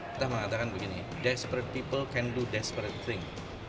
kita mengatakan begini desperate people can do desperate things